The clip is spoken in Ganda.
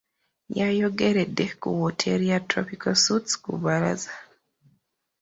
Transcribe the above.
Yayogeredde ku wooteeri ya tropical suites ku Bbalaza.